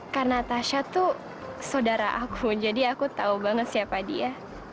karena tasha tuh saudara aku jadi aku tau banget siapa dia